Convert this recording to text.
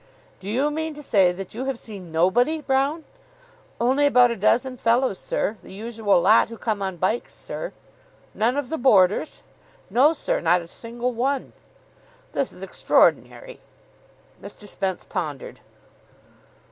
"Do you mean to say that you have seen nobody, Brown?" "Only about a dozen fellows, sir. The usual lot who come on bikes, sir." "None of the boarders?" "No, sir. Not a single one." "This is extraordinary." Mr. Spence pondered.